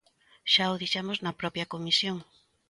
Xa o dixemos na propia comisión.